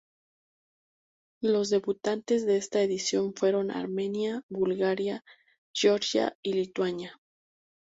Los debutantes de esta edición fueron Armenia, Bulgaria, Georgia y Lituania.